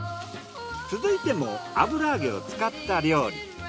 続いても油揚げを使った料理。